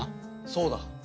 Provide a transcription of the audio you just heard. そうだ。